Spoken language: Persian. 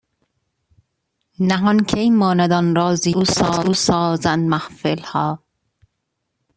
نهان کی ماند آن رازی کز او سازند محفلها